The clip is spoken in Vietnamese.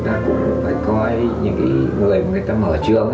ta cũng phải coi những người người ta mở trường